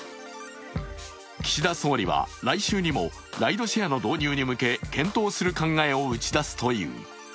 岸田総理は来週にもライドシェアの導入に向け検討する考えを打ち出すという。